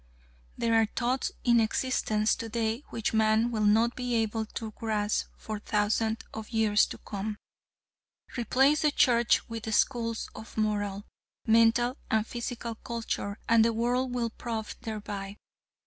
There are thoughts in existence today which man will not be able to grasp for thousands of years to come. Replace the Church with schools of moral, mental and physical culture and the world will pro& thereby.